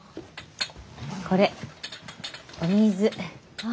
これお水。